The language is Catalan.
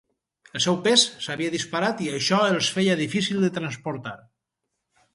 El seu pes s'havia disparat i això els feia difícils de transportar.